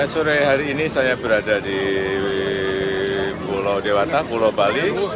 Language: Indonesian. sore hari ini saya berada di pulau dewata pulau bali